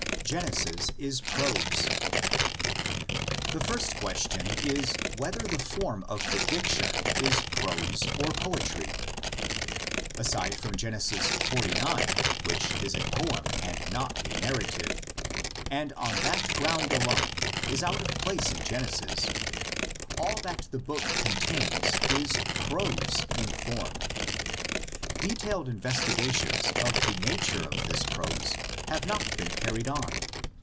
GENESIS IS PROSE. The first question is, whether the form of the dic tion is prose or poetry. Aside from Genesis xlix. which is a poem and not a narrative, and on that 37 38 THE LEGENDS OF GENESIS. ground alone is out of place in Genesis, all that the book contains is prose in form. Detailed investi gations of the nature of this prose have not been carried on.